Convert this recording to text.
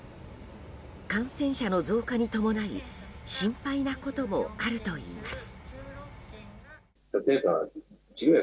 感染者の増加に伴い心配なこともあるといいます。